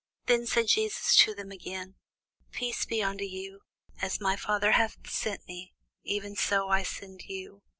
Then said Jesus to them again, Peace be unto you: as my Father hath sent me, even so send I you.